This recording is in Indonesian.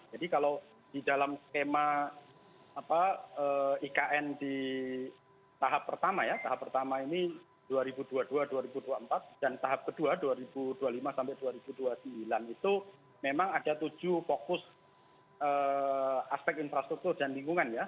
jadi kalau di dalam skema ikn di tahap pertama ya tahap pertama ini dua ribu dua puluh dua dua ribu dua puluh empat dan tahap kedua dua ribu dua puluh lima dua ribu dua puluh sembilan itu memang ada tujuh fokus aspek infrastruktur dan lingkungan ya